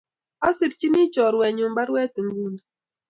Asrichini chorwennyu parwet inguni